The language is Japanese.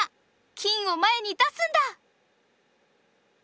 金を前に出すんだ！